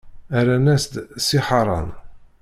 Rran-as-d: Si Ḥaṛan.